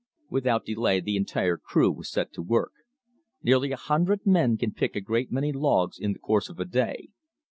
Without delay the entire crew was set to work. Nearly a hundred men can pick a great many logs in the course of a day.